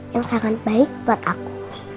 yang sangat baik buat aku